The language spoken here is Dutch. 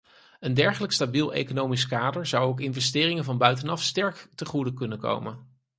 Een dergelijk stabiel economisch kader zou ook investeringen van buitenaf sterk ten goede komen.